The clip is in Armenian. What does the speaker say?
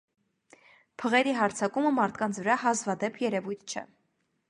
Փղերի հարձակումը մարդկանց վրա հազվադեպ երևույթ չէ։